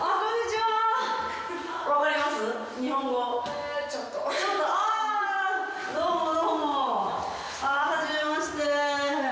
はじめまして。